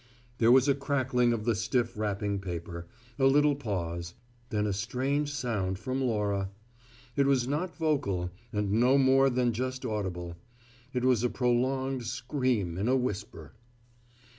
There was a crackling of the stiff wrapping paper, a little pause, then a strange sound from Laura. It was not vocal and no more than just audible: it was a prolonged scream in a whisper.